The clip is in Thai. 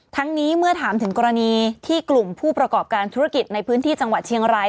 ทั้งนี้เมื่อถามถึงกรณีที่กลุ่มผู้ประกอบการธุรกิจในพื้นที่จังหวัดเชียงราย